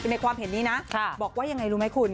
ในความเห็นนี้นะบอกว่ายังไงรู้ไหมคุณ